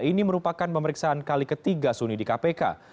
ini merupakan pemeriksaan kali ketiga suni di kpk